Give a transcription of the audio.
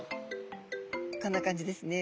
こんな感じですね